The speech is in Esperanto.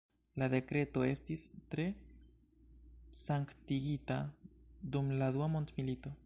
La dekreto estis tre sanktigita dum la Dua Mondmilito.